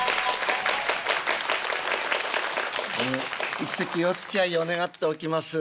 一席おつきあいを願っておきます。